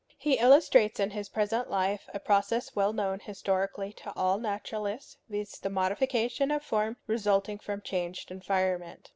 He illustrates in his present life a process well known historically to all naturalists, viz., the modification of form resulting from changed environment.